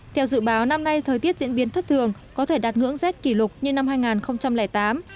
theo dự báo năm nay thời tiết diễn biến thất thường có thể đạt ngưỡng rét kỷ lục như năm hai nghìn tám